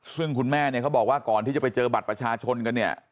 ซึ่งคุณแม่เนี่ยเขาบอกว่าก่อนที่จะไปเจอบัตรประชาชนกันเนี่ย